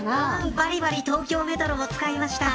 ばりばり東京メトロも使いました。